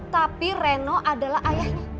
tapi reno adalah ayahnya